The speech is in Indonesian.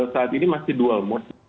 saat ini masih dual mode